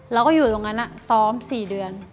เราก็อยู่ตรงนั้นซ้อม๔เดือน